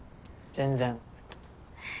全然。